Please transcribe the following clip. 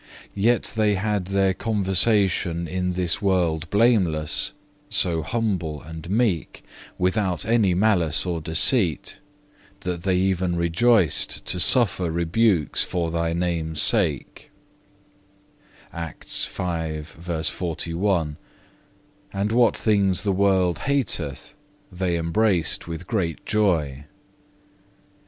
Yet they had their conversation in this world blameless, so humble and meek, without any malice or deceit, that they even rejoiced to suffer rebukes for Thy Name's sake,(1) and what things the world hateth, they embraced with great joy.